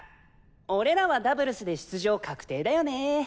俺らはダブルスで出場確定だよね。